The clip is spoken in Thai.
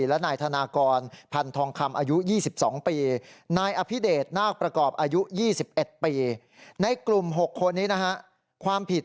และนายธนากรพันธงคำอายุ๒๒ปี